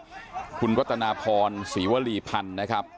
บัญชาการตำรวจแห่งชาติคุณกตนพรศรีวรีพันธ์